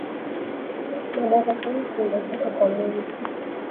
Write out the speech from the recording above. Madaraka yote inatoka kwa Mungu